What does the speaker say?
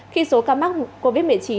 khi số ca mắc covid một mươi chín